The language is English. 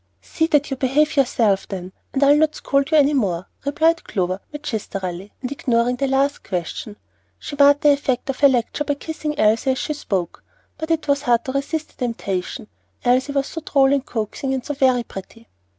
"See that you behave yourself, then, and I'll not scold you any more," replied Clover, magisterially, and ignoring the last question. She marred the effect of her lecture by kissing Elsie as she spoke; but it was hard to resist the temptation, Elsie was so droll and coaxing, and so very pretty.